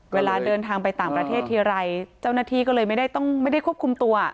เวลาเดินทางไปต่างประเทศทีไรเจ้าหน้าที่ก็เลยไม่ได้ต้องไม่ได้ควบคุมตัว